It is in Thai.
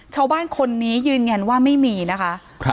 ชาวบ้านคนนี้ยืนยันว่าไม่มีนะคะ